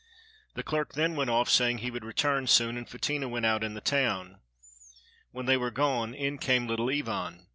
The clerk then went off saying he would return soon, and Fetinia also went out in the town. While they were gone in came little Ivan.